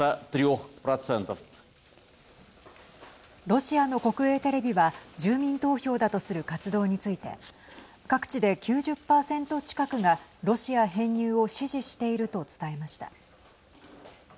ロシアの国営テレビは住民投票だとする活動について各地で９０％近くがロシア編入を支持していると伝えました。